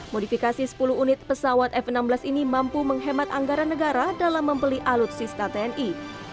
modifikasi sepuluh unit pesawat f enam belas ini mampu menghemat anggaran negara dalam membeli alutsista tni